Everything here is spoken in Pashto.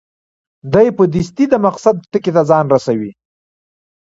دی په دستي د مقصد ټکي ته ځان رسوي.